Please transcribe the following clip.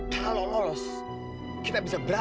kalau lolos kita bisa berabe nih